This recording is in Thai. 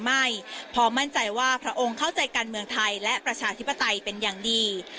ไม่เพราะมั่นใจว่าพระองค์เข้าใจการเมืองไทยและประชาธิปไตยเป็นอย่างดี